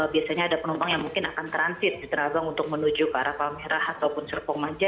biasanya ada penumpang yang mungkin akan transit di tanah abang untuk menuju ke arah palmerah ataupun serpong maja